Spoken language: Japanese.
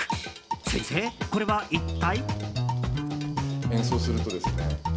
先生、これは一体。